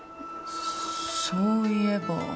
そういえば。